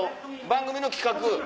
番組の企画。